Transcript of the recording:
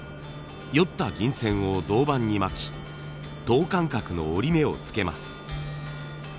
よった銀線を銅板に巻き等間隔の折り目をつけます。